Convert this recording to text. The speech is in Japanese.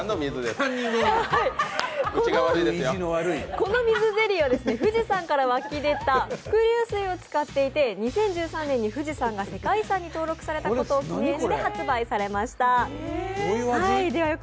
この水ゼリーは富士山から湧き出た伏流水を使っていて２０１３年に富士山が世界遺産に登録されたことを記念して発売されました。